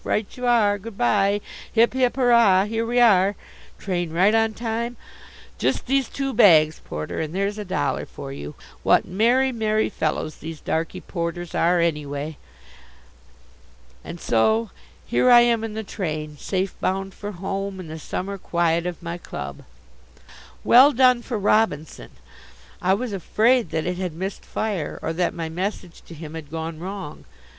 Right you are, good bye. Hip, hip, hurrah! Here we are! Train right on time. Just these two bags, porter, and there's a dollar for you. What merry, merry fellows these darky porters are, anyway! And so here I am in the train, safe bound for home and the summer quiet of my club. Well done for Robinson! I was afraid that it had missed fire, or that my message to him had gone wrong.